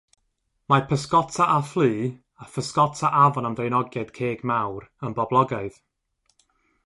Mae pysgota â phlu a physgota afon am ddraenogiaid ceg mawr yn boblogaidd.